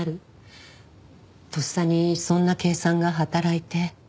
とっさにそんな計算が働いて。